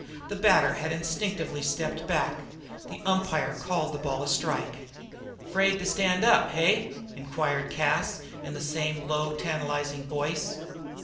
The batter had instinctively stepped back. The umpire called the ball a strike. "'Fraid to stand up, hey?" Inquired Cas, in the same low, tantalizing voice.